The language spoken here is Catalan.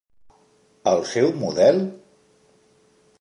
El seu model?